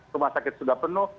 rumah sakit sudah penuh